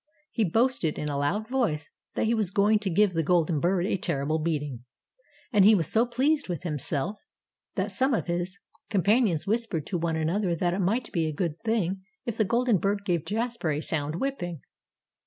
He boasted in a loud voice that he was going to give the golden bird a terrible beating. And he was so pleased with himself that some of his companions whispered to one another that it might be a good thing if the golden bird gave Jasper a sound whipping.